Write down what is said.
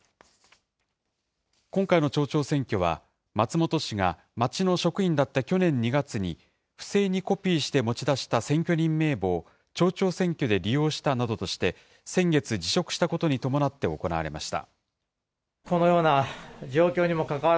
今回の町長選挙は、松本氏が町の職員だった去年２月に、不正にコピーして持ち出した選挙人名簿を町長選挙で利用したなどとして、先月、辞職したことに伴って行われました。